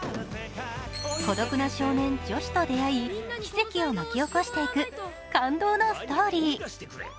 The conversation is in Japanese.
孤独な少年・ジョシュと出会い奇跡を巻き起こしていく感動のストーリー。